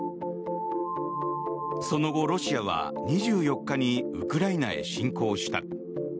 その後、ロシアは２４日にウクライナへ侵攻した。